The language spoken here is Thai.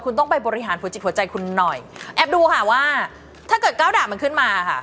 คุณต้องไปบริหารหัวจิตหัวใจคุณหน่อยแอบดูค่ะว่าถ้าเกิดเก้าดาบมันขึ้นมาค่ะ